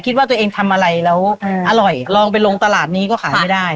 คิดว่าตัวเองทำอะไรแล้วอร่อยลองไปลงตลาดนี้ก็ขายไม่ได้